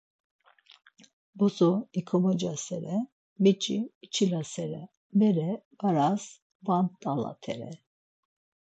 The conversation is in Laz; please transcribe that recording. Bozo ikomocasere, biç̌i içilasere, bere baras vant̆alatere.